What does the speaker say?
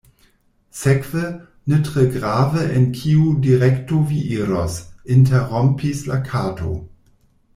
"Sekve, ne tre grave en kiu direkto vi iros," interrompis la Kato.